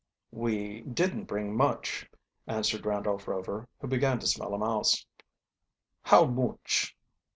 "We didn't bring much," answered Randolph Rover, who began to smell a mouse. "How mooch?"